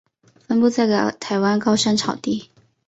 分布在台湾高山草地。